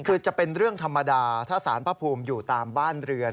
คือจะเป็นเรื่องธรรมดาถ้าสารพระภูมิอยู่ตามบ้านเรือน